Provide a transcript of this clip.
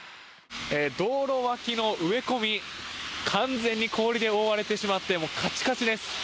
道路脇の植え込み完全に氷で覆われてしまってカチカチです。